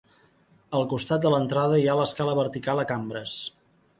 Al costat de l'entrada hi ha l'escala vertical a cambres.